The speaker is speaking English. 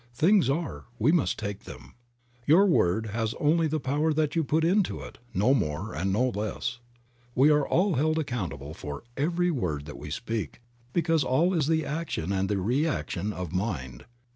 Things are, we must take them. Your word has only the Creative Mind. 65 power that you put into it, no more and no less. We are all held accountable for every word that we speak because all is the action and the reaction of mind.